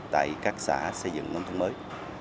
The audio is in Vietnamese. tại các xã xây dựng nông thôn mới